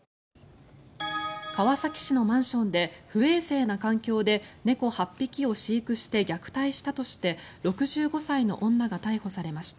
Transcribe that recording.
川崎市のマンションで不衛生な環境で猫８匹を飼育して虐待したとして６５歳の女が逮捕されました。